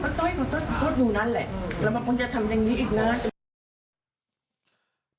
ทำเงี้ยจ่อยขอโทษขอโทษขอโทษขอโทษหมู่นั้นแหละแล้วมันคงจะทำอย่างนี้อีกน่ะ